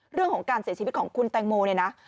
เรื่องของการเสียชีวิตของคุณแตงโมเนี่ยนะ